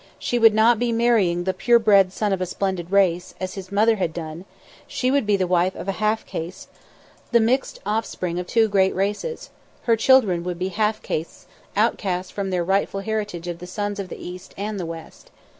She would not be marrying the pure bred son of a splendid race, as his mother had done; she would be the wife of a half caste, the mixed off spring of two great races; her children would be half castes, outcast from their rightful heritage of the sons of the East and the West.